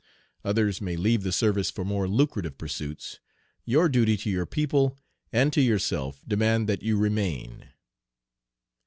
Others may leave the service for more lucrative pursuits; your duty to your people and to yourself demand that you remain.